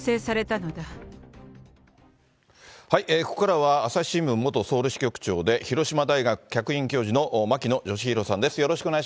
ここからは、朝日新聞元ソウル支局長で、広島大学客員教授の牧野愛博さんです。